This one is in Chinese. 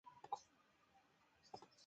憧憬的演员为山田孝之。